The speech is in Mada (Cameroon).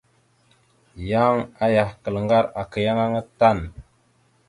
Yan ayakal ŋgar aka yan aŋa tan.